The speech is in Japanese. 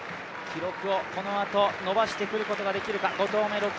記録をこのあと伸ばしてくることができるか。